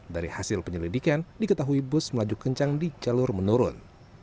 dari hasil penyelidikan diketahui bus melaju kencang di jalur menurun